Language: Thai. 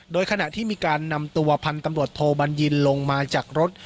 โดยขณะที่มีการนำตัวพันธุ์ตำรวจโทบัญญินลงมาจากรถ